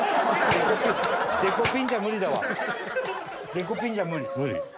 デコピンじゃ無理。